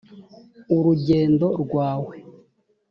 urugendo rwawe